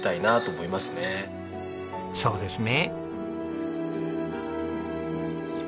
そうですね。